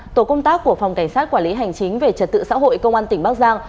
tổ công tác của phòng cảnh sát quản lý hành chính về trật tự xã hội công an tỉnh bắc giang